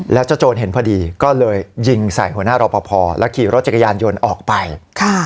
แล้วเจ้าโจรเห็นพอดีก็เลยยิงใส่หัวหน้ารอปภแล้วขี่รถจักรยานยนต์ออกไป